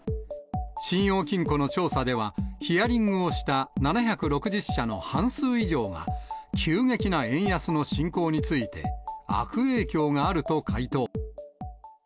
信用金庫の調査では、ヒアリングをした７６０社の半数以上が、急激な円安の進行について、悪影響があると回答。